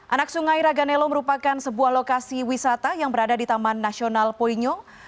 anak sungai raganelo merupakan sebuah lokasi wisata yang berada di taman nasional poinyung